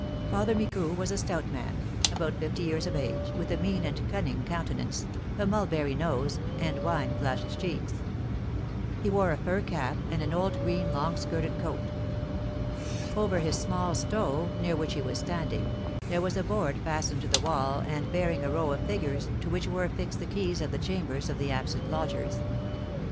Father Micou was a stout man, about fifty years of age, with a mean and cunning countenance, a mulberry nose, and wine flushed cheeks. He wore a fur cap and an old green long skirted coat. Over his small stove, near which he was standing, there was a board fastened to the wall, and bearing a row of figures, to which were affixed the keys of the chambers of the absent lodgers.